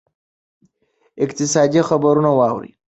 اقتصادي خبرونه واورئ.